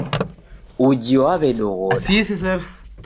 Uji waw'edoghoda.